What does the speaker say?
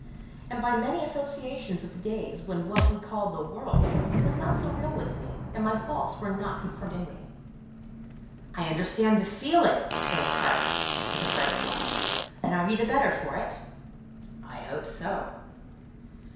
and by many associations of the days when what we call the World was not so real with me, and my faults were not confirmed in me." "I understand the feeling!" exclaimed Carton, with a bright flush. "And you are the better for it?" "I hope so."